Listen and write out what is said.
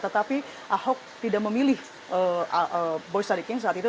tetapi ahok tidak memilih boy sadikin saat itu